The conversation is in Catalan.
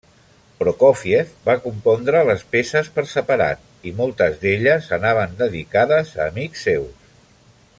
Prokófiev va compondre les peces per separat, i moltes d'elles anaven dedicades a amics seus.